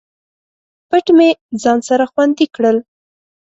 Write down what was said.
پټ مې ځان سره خوندي کړل